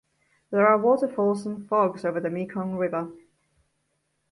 There are waterfalls and fogs over the Mekong River.